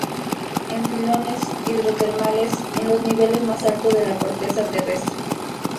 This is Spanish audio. En filones hidrotermales en los niveles más altos de la corteza terrestre.